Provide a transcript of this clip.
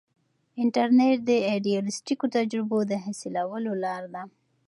انټرنیټ د ایډیالیسټیکو تجربو د حاصلولو لار ده.